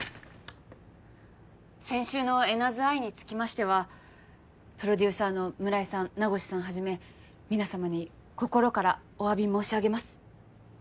先週のエナズアイにつきましてはプロデューサーの村井さん名越さんはじめ皆様に心からおわび申し上げます。